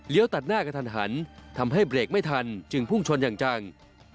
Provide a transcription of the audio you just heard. ตัดหน้ากระทันหันทำให้เบรกไม่ทันจึงพุ่งชนอย่างจัง